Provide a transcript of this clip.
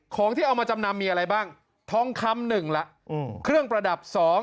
ของที่เอามาจำนำมีอะไรบ้างท้องคำ๑แล้วเครื่องประดับ๒